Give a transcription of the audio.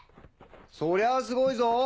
そりゃあすごいぞ！